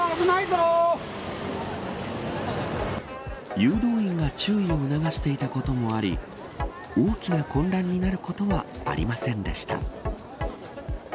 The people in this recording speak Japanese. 誘導員が注意を促していたこともあり大きな混乱になることはありませんでした。